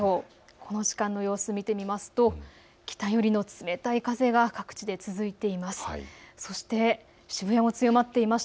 この時間の様子を見てみますと北寄りの冷たい風が各地で続いています。